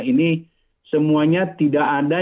ini semuanya tidak ada